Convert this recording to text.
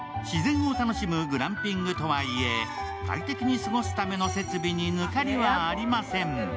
自然を楽しむグランピングとはいえ快適に過ごすための設備に抜かりはありません。